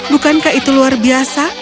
bukankah itu luar biasa